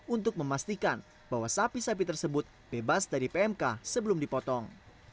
untuk memastikan bahwa sapi sapi tersebut bebas dari pmk sebelum dipotong